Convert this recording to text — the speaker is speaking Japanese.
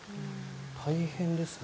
大変ですね。